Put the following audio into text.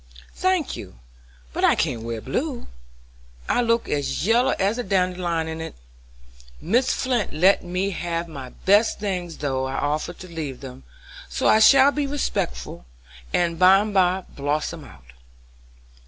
"Thank you, but I can't wear blue, I look as yellow as a dandelion in it. Mrs. Flint let me have my best things though I offered to leave them, so I shall be respectable and by and by blossom out."